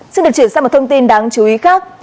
xin được chuyển sang một thông tin đáng chú ý khác